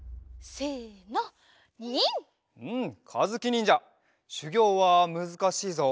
うんかずきにんじゃしゅぎょうはむずかしいぞ。